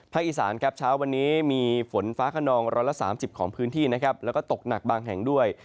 ภาคอีสานช้าวันนี้มีฝนฟ้าขนอง๑๓๐ของพื้นที่และก็ตกหนักบางแห่งด้วย